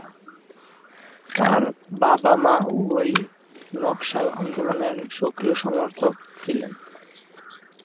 তাঁর বাবা মা উভয়ই নকশাল আন্দোলনের সক্রিয় সমর্থক ছিলেন।